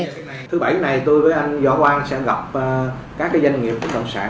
thứ bảy này tôi với anh võ quang sẽ gặp